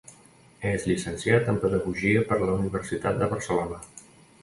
És llicenciat en Pedagogia per la Universitat de Barcelona.